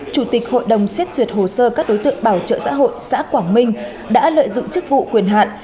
chủ tịch hội đồng xét duyệt hồ sơ các đối tượng bảo trợ xã hội xã quảng minh đã lợi dụng chức vụ quyền hạn